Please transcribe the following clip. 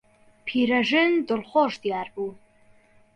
پیرەژن دڵخۆش دیار بوو.